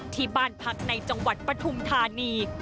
ที่บ้านพักในจังหวัดปฐุมธานี